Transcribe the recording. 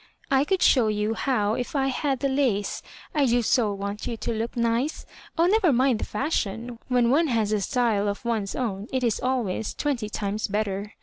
•' I could show you how if I had the lace. I do so want you to look nice. Oh, never mind the fashion. When one has a style of one's own, it is always twehty times better.